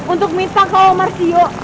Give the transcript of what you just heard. untuk minta ke omar tio